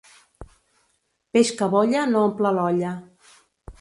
Peix que bolla, no omple l'olla.